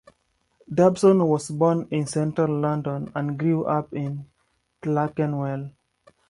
Dobson was born in central London and grew up in Clerkenwell.